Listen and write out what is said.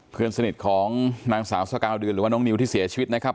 เพื่อนสนิทของนางสาวสกาวเดือนหรือว่าน้องนิวที่เสียชีวิตนะครับ